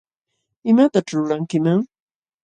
¿Imataćh lulankiman?